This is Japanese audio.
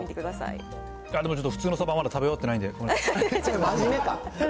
でもちょっと、普通のサバ、まだ食べ終わってないんで。